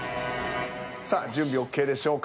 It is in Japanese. さあ準備ＯＫでしょうか？